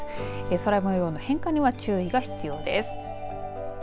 空もようの変化には注意が必要です。